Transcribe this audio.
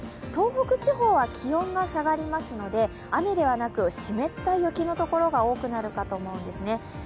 東北地方は気温が下がりますので雨ではなく湿った雪のところが多くなるかと思うんですね。